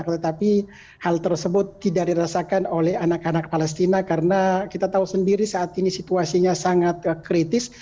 tetapi hal tersebut tidak dirasakan oleh anak anak palestina karena kita tahu sendiri saat ini situasinya sangat kritis